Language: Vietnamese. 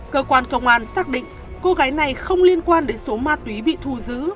cơ quan công an xác định cô gái này không liên quan đến số ma túy bị thu giữ